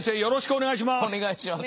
お願いします。